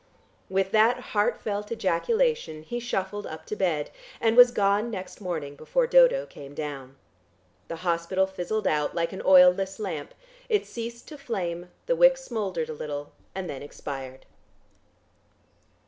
With that heartfelt ejaculation he shuffled up to bed, and was gone next morning before Dodo came down. The hospital fizzled out, like an oil less lamp; it ceased to flame, the wick smouldered a little and then expired.